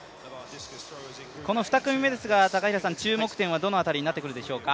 この２組目ですが、注目点はどの辺りになってくるでしょうか。